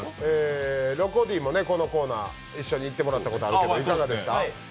ロコディも一緒に行ってもらったことあるけどいかがでした？